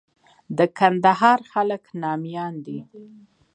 د کندهار خلک ناميان دي.